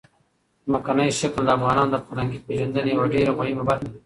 ځمکنی شکل د افغانانو د فرهنګي پیژندنې یوه ډېره مهمه برخه ده.